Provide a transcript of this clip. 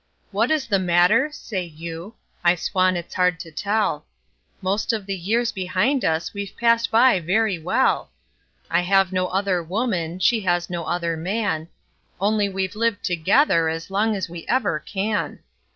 "What is the matter?" say you. I swan it's hard to tell! Most of the years behind us we've passed by very well; I have no other woman, she has no other man Only we've lived together as long as we ever can.